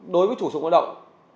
đối với chủ sử dụng lao động